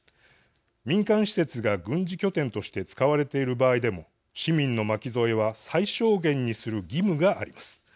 民間施設が軍事拠点として使われている場合でも市民の巻き添えは最小限にする義務があります。